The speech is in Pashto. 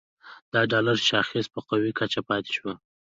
د ډالر شاخص په قوي کچه پاتې شو